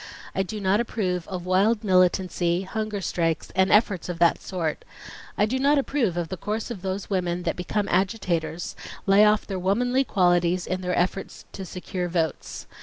I do not approve of wild militancy, hunger strikes, and efforts of that sort. I do not approve of the course of those women that ..., become agitators, lay off their womanly qualities in their efforts to secure votes.